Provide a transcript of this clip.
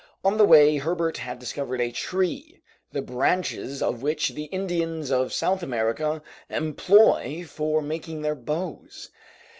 On the way Herbert had discovered a tree, the branches of which the Indians of South America employ for making their bows.